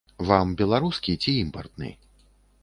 Вам беларускі ці імпартны?